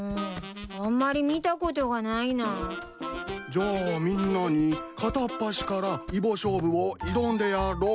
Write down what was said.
じゃあみんなに片っ端からイボ勝負を挑んでやろう。